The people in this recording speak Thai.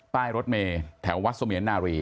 ใต้รถเมย์แถววัดสมียนารี